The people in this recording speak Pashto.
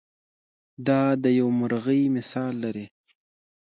دا د یوې مرغۍ مثال لري.